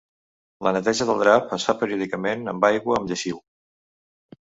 La neteja del drap es fa periòdicament en aigua amb lleixiu.